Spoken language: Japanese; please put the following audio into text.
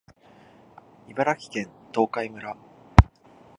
茨城県東海村